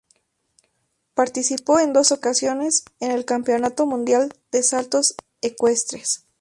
Participó en dos ocasiones en el Campeonato Mundial de Saltos Ecuestres.